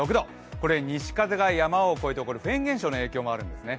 これ西風が山を越えてフェーン現象の影響もあるんですね。